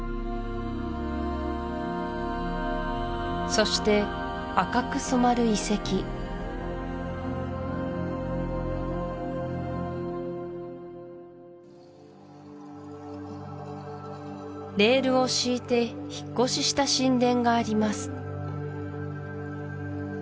そして赤く染まる遺跡レールを敷いて引っ越しした神殿があります